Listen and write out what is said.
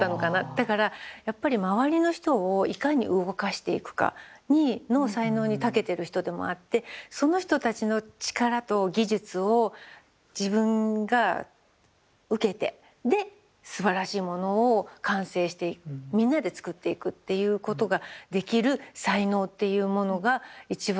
だからやっぱり周りの人をいかに動かしていくかの才能にたけてる人でもあってその人たちの力と技術を自分が受けてですばらしいものを完成してみんなでつくっていくっていうことができる才能っていうものが一番